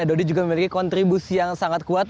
dodi juga memiliki kontribusi yang sangat kuat